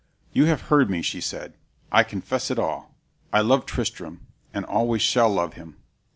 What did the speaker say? "You have heard me," she said; "I confess it all. I love Tristram, and always shall love him.